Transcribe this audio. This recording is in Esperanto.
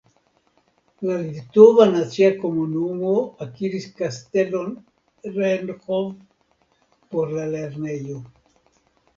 La Litova Nacia Komunumo akiris Kastelon Rennhof por la lernejo.